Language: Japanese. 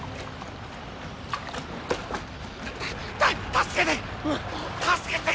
た助けて！